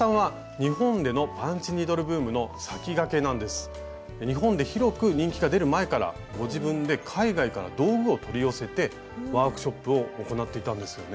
日本で広く人気が出る前からご自分で海外から道具を取り寄せてワークショップを行っていたんですよね。